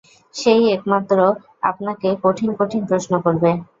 সে-ই একমাত্র আপনাকে কঠিন কঠিন প্রশ্ন করবে।